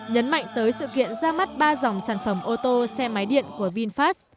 nhấn mạnh tới sự kiện ra mắt ba dòng sản phẩm ô tô xe máy điện của vinfast